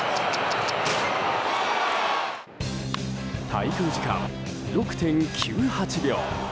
滞空時間６．９８秒。